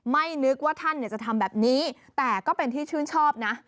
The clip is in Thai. ไม่นึกว่าท่านจะทำแบบนี้แต่ก็เป็นที่ชื่นชอบนะ